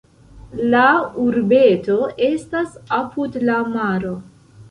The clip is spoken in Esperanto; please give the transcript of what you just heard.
La urbeto estas apud la maro.